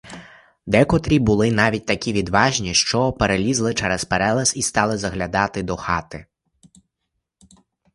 Декотрі були навіть такі відважні, що перелізли через перелаз і стали заглядати до хати.